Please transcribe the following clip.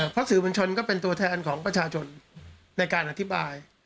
เพราะสื่อมวลชนก็เป็นตัวแทนของประชาชนในการอธิบาย